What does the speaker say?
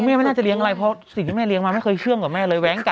ไม่น่าจะเลี้ยงอะไรเพราะสิ่งที่แม่เลี้ยงมาไม่เคยเชื่อมกับแม่เลยแว้งกัน